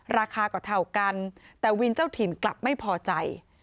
ราคาก็เท่ากันแต่วินเจ้าถิ่นกลับไม่พอใจ